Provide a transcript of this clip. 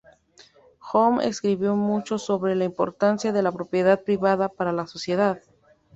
Home escribió mucho sobre la importancia de la propiedad privada para la sociedad.